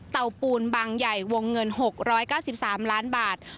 ปูนบางใหญ่วงเงิน๖๙๓ล้านบาท